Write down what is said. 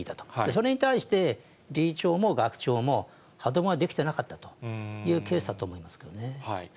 それに対して、理事長も学長も、歯止めができていなかったと、ケースだと思いますけどね。